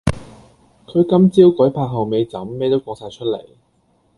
佢今朝鬼拍後背枕咩都講哂出黎